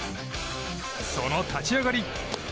その立ち上がり。